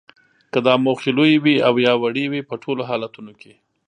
که دا موخې لویې وي او یا وړې وي په ټولو حالتونو کې